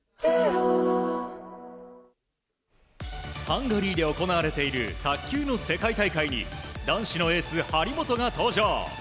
ハンガリーで行われている卓球の世界大会に男子のエース、張本が登場。